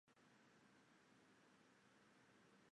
威克岛邮政和电话编制上属于夏威夷。